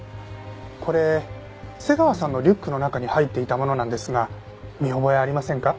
これ瀬川さんのリュックの中に入っていたものなんですが見覚えありませんか？